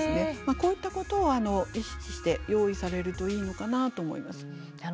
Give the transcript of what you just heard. こういったことを意識して用意されるといいのかなと思います。